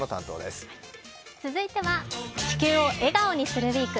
続いては「地球を笑顔にするＷＥＥＫ」